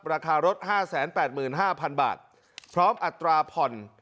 ราคารถห้าแสนแปดหมื่นห้าพันบาทพร้อมอัตราผ่อน